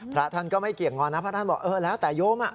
พระท่านก็ไม่เกี่ยงงอนนะพระท่านบอกเออแล้วแต่โยม